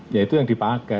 ya itu yang dipakai